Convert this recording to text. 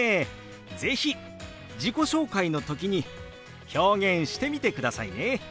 是非自己紹介の時に表現してみてくださいね。